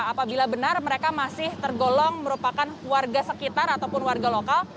apabila benar mereka masih tergolong merupakan warga sekitar ataupun warga lokal